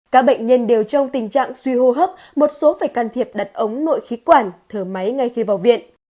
các bệnh nhân đều trong tình trạng suy hô hấp một số phải can thiệp đặt ống nội khí quản thở máy ngay khi vào viện